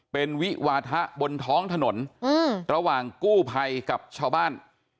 เป็นวิวาทะบนท้องถนนระหว่างกู้ภัยกับชาวบ้าน